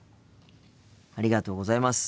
ありがとうございます。